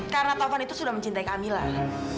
karena taufan itu sudah mencintai kami lah